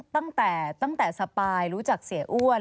ตั้งแต่สปายรู้จักเสียอ้วน